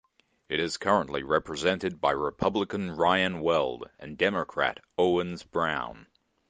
It is currently represented by Republican Ryan Weld and Democrat Owens Brown.